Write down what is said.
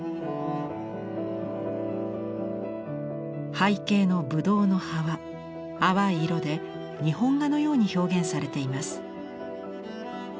背景のブドウの葉は淡い色で日本画のように表現されています。